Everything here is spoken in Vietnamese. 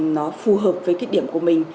nó phù hợp với cái điểm của mình